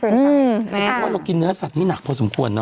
เรากินเนื้อไศนี่นักพอสมควร